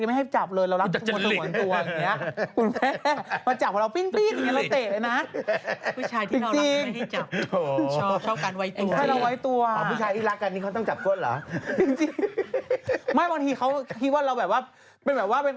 ก็น่าจะจำข่าวที่เราอ่าน